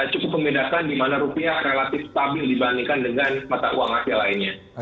cukup pembedakan dimana rupiah relatif stabil dibandingkan dengan mata uang asia lainnya